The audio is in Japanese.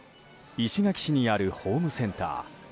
石垣市にあるホームセンター。